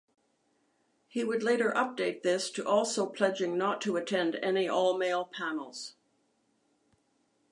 He would later update this to also pledging not to attend any all-male panels.